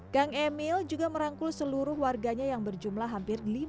kang emil juga merangkul seluruh warganya yang berjumlah hampir